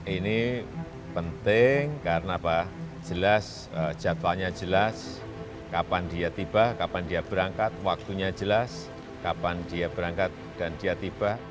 ini penting karena apa jelas jadwalnya jelas kapan dia tiba kapan dia berangkat waktunya jelas kapan dia berangkat dan dia tiba